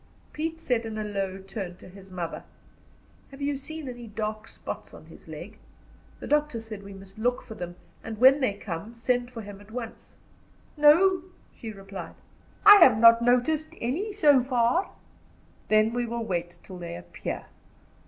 Pete said in a low tone to his mother: "Have you seen any dark spots on his leg? The doctor said we must look for them, and, when they come, send for him at once." "No," she replied, "I have not noticed any, so far." "Then we will wait till they appear."